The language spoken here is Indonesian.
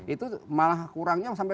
itu malah kurangnya berubah